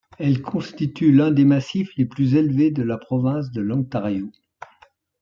Elles constituent l'un des massifs les plus élevés de la province de l'Ontario.